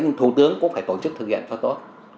nhưng thủ tướng cũng phải tổ chức thực hiện phải tốt